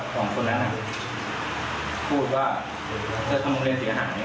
สองคนนั้นพูดว่าถ้าโรงเรียนเสียหาย